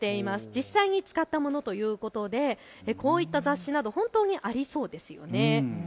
実際に使ったものということでこういった雑誌など本当にありそうですよね。